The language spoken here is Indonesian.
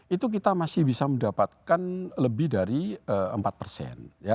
itu kita masih bisa mendapatkan lebih dari empat persen